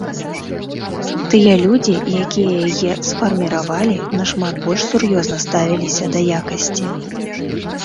Тыя людзі, якія яе сфарміравалі, нашмат больш сур'ёзна ставіліся да якасці.